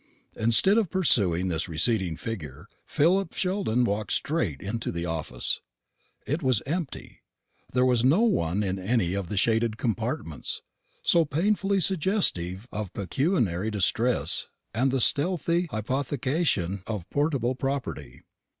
Instead of pursuing this receding figure, Philip Sheldon walked straight into the office. It was empty. There was no one in any of the shaded compartments, so painfully suggestive of pecuniary distress and the stealthy hypothecation of portable property.